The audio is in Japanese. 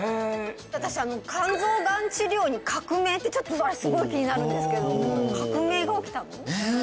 私「肝臓がん治療に革命」ってちょっとすごい気になるんですけど革命が起きたの？